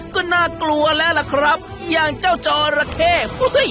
ก็น่ากลัวแล้วล่ะครับอย่างเจ้าจอระเข้